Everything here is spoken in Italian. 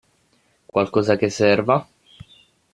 Qualcosa che serva?